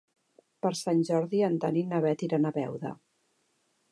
Per Sant Jordi en Dan i na Bet iran a Beuda.